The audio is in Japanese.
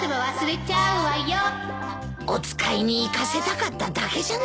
お使いに行かせたかっただけじゃないか。